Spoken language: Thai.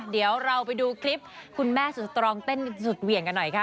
เดี๋ยวเราไปดูคลิปคุณแม่สุดสตรองเต้นสุดเหวี่ยงกันหน่อยค่ะ